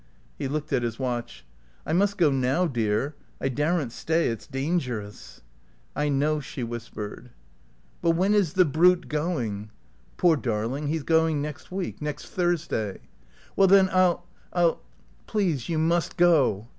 He looked at his watch. "I must go now, dear. I daren't stay. It's dangerous." "I know," she whispered. "But when is the brute going?" "Poor darling, he's going next week next Thursday." "Well then, I'll I'll " "Please, you must go."